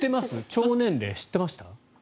腸年齢知ってました？